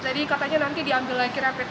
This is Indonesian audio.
jadi katanya nanti diambil lagi rapid testnya